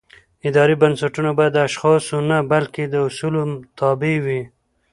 اداري بنسټونه باید د اشخاصو نه بلکې د اصولو تابع وي